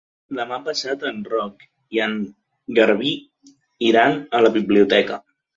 Demà passat en Roc i en Garbí iran a la biblioteca.